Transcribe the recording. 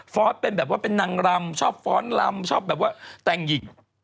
เป็นแบบว่าเป็นนางรำชอบฟ้อนรำชอบแบบว่าแต่งหยิก